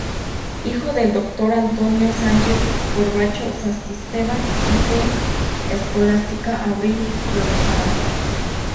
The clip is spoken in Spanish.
Hijo del doctor Antonio Sánchez-Corbacho y Santisteban, y de Escolástica Abril y Olazábal.